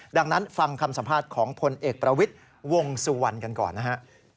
ดังนั้นฟังคำสัมภาษณ์ของพลเอกประวิทย์วงสุวรรณกันก่อนนะฮะ